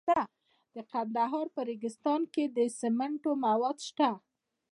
د کندهار په ریګستان کې د سمنټو مواد شته.